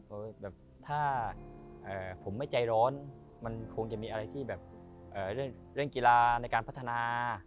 แบบถ้าผมไม่ใจร้อนมันคงจะมีอะไรที่แบบเรื่องกีฬาในการพัฒนา